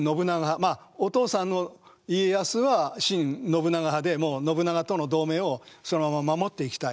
まあお父さんの家康は親信長派でもう信長との同盟をそのまま守っていきたい。